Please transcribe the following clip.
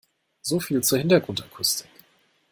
So viel zur Hintergrundakustik.